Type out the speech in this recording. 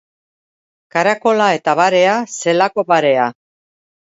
Karakola eta barea, zelako parea.